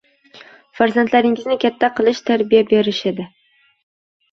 Farzandlaringizni katta qilish, tarbiya berish edi